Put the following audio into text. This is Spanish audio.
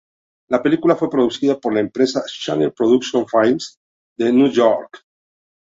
La película fue producida por la empresa Channel Production Films de Nueva York.